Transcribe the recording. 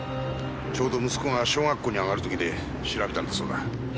ちょうど息子が小学校に上がる時で調べたんだそうだ。